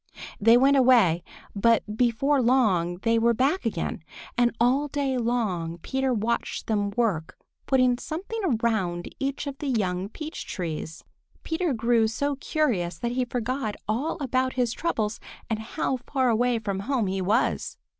They went away, but before long they were back again, and all day long Peter watched them work putting something around each of the young peach trees. Peter grew so curious that he forgot all about his troubles and how far away from home he was.